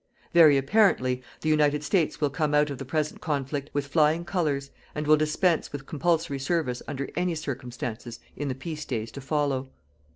Very apparently, the United States will come out of the present conflict with flying Colours and will dispense with compulsory service under any circumstances in the peace days to follow.